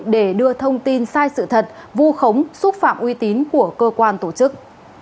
để đưa thông tin sai sự thật vu khống xúc phạm uy tín của cơ quan tổ chức